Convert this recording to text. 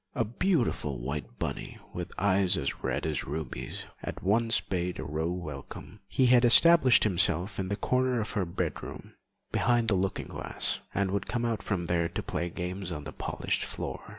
A beautiful white bunny, with eyes as red as rubies, at once bade Aurore welcome. He had established himself in the corner of her bedroom behind the looking glass, and would come out from there to play games on the polished floor.